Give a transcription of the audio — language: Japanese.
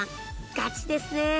ガチですね。